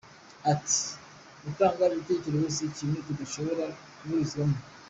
Ati “Gutanga ibitekerezo si ikintu kidashobora kuburizwamo.